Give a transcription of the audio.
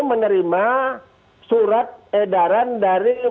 kenapa tidak dihentikan sementara